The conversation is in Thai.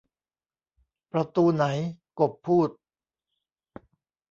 'ประตูไหน ?' กบพูด